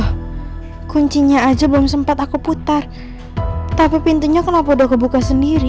woh kuncinya aja belum sempar aku putar tapi pintunya kenapa sudah kebuka sendiri